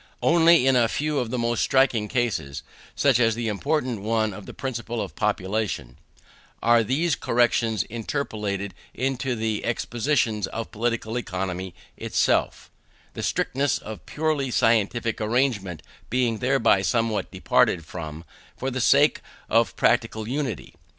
Only in a few of the most striking cases (such as the important one of the principle of population) are these corrections interpolated into the expositions of Political Economy itself; the strictness of purely scientific arrangement being thereby somewhat departed from, for the sake of practical utility.